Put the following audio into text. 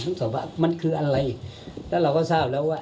สอบว่ามันคืออะไรแล้วเราก็ทราบแล้วว่า